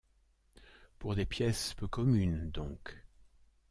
Pour des pièces peu communes, donc.